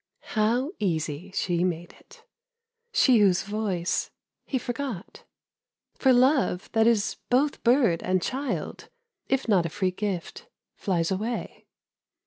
How easy she made it, She whose voice he forgot. For love that is both bird and child If not a free gift, flies away.